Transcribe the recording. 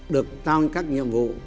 được trao các nhiệm vụ